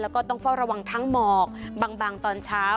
แล้วก็ต้องเฝ้าระวังทั้งหมอกบางตอนเช้า